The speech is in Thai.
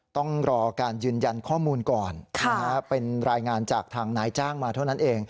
ต้องรอการยืนยันข้อมูลก่อนเป็นรายงานจากทางนายจ้างมาเท่านั้นเอง